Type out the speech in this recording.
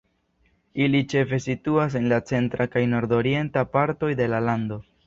Ili ĉefe situas en la centra kaj nordorienta partoj de la lando.